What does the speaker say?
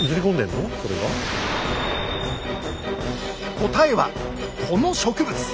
答えはこの植物！